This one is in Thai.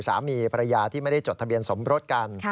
สามีภรรยาที่ไม่ได้จดทะเบียนสมรสกัน